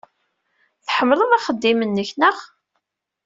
Tḥemmleḍ axeddim-nnek, naɣ?